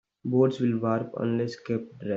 Boards will warp unless kept dry.